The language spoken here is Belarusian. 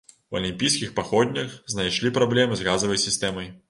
У алімпійскіх паходнях знайшлі праблемы з газавай сістэмай.